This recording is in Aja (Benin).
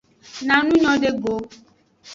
Na nu nyode go.